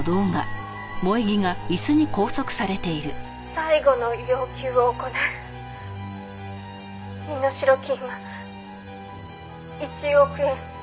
「最後の要求を行う」「身代金は１億円」